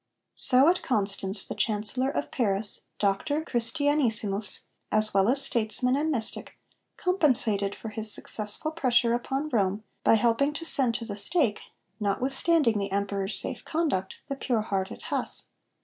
So at Constance the Chancellor of Paris, Doctor Christianissimus as well as statesman and mystic, compensated for his successful pressure upon Rome by helping to send to the stake, notwithstanding the Emperor's safe conduct, the pure hearted Huss.